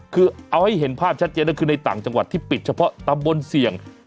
คือเอาให้เห็นภาพชัดเจนก็คือในต่างจังหวัดที่ปิดเฉพาะตำบลเสี่ยง